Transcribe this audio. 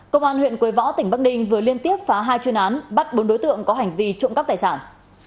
công an huyện quế võ tỉnh bắc ninh vừa liên tiếp phá hai chuyên án bắt bốn đối tượng có hành vi trộm cắp tài sản